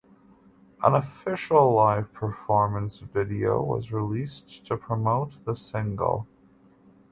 An official live performance video was released to promote the single.